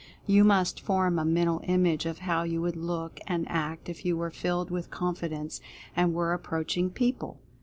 You must form a Mental Image of how you would look and act if you were filled with Confidence, and were approaching people.